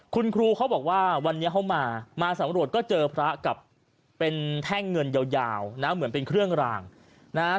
คุณครูเขาบอกว่าวันนี้เขามามาสำรวจก็เจอพระกับเป็นแท่งเงินยาวนะเหมือนเป็นเครื่องรางนะฮะ